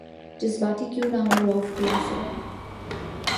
جذباتی کیوں نہ ہوں رؤف کلاسرا